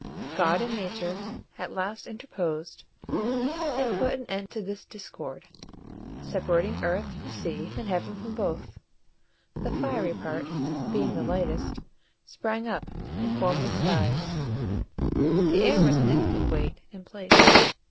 God and Nature at last interposed, and put an end to this discord, separating earth from sea, and heaven from both. The fiery part, being the lightest, sprang up, and formed the skies; the air was next in weight and place.